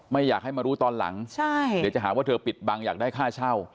ไม่อยากให้มารู้ตอนหลังเดี๋ยวจะหาว่าเธอปิดบังอยากได้ค่าเช่า